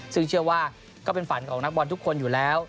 ซึ่งเชื่อว่าก็เป็นฝันของนักบอลทุกคนอยู่แล้ว